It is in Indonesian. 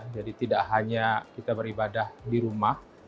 jadi tidak hanya kita beribadah di rumah